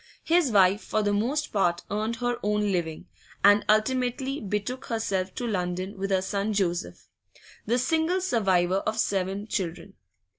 His wife for the most part earned her own living, and ultimately betook herself to London with her son Joseph, the single survivor of seven children.